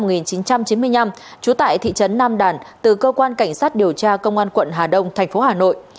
trần huỳnh đức sinh năm một nghìn chín trăm hai mươi một trú tại thị trấn nam đàn từ cơ quan cảnh sát điều tra công an quận hà đông tp hà nội